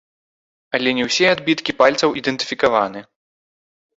Але не ўсе адбіткі пальцаў ідэнтыфікаваны.